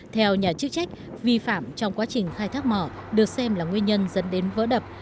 theo nhà chức trách vi phạm trong quá trình khai thác mỏ được xem là nguyên nhân dẫn đến vỡ đập